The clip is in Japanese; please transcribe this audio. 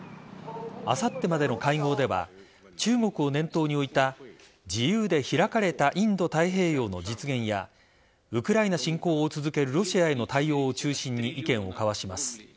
あさってまでの会合では中国を念頭に置いた自由で開かれたインド太平洋の実現やウクライナ侵攻を続けるロシアへの対応を中心に意見を交わします。